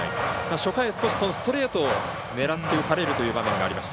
初回、少しストレートを狙って打たれるという場面がありました。